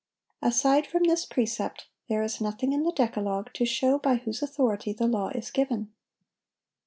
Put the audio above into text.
Aside from this precept, there is nothing in the decalogue to show by whose authority the law is given.